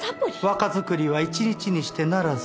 若作りは一日にしてならず。